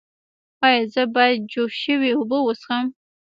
ایا زه باید جوش شوې اوبه وڅښم؟